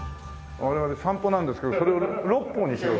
我々サンポなんですけどそれを六歩にしろと。